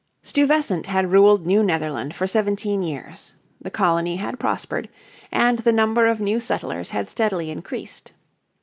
Stuyvesant had ruled New Netherland for seventeen years. The colony had prospered, and the number of new settlers had steadily increased.